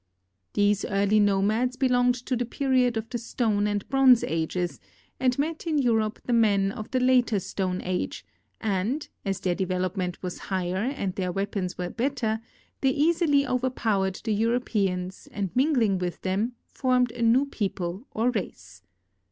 These early nomads belonged to the j^eriod of the Stone and Bronze Ages, and met in Europe the men of the later Stone Age, and as their 170 THE EFFECTS Ot GEOGRAPHIC ENVIRONMENT development was higher and their weapons were better, they easily overpowered the Europeans and mingling with them formed a new people or race.